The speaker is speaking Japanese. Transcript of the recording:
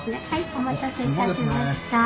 お待たせいたしました。